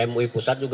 mui pusat juga